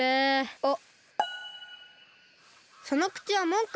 あっ！